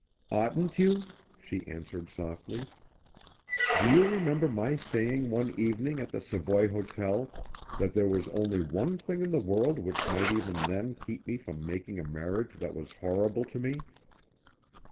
"Oughtn't you?" she answered softly. "Do you remember my saying one evening at the Savoy Hotel that there was only one thing in the world which might even then keep me from making a marriage that was horrible to me?"